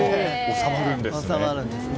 伝わるんですね。